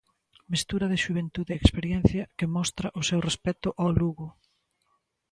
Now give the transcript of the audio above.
Mestura de xuventude e experiencia que mostra o seu respecto ao Lugo.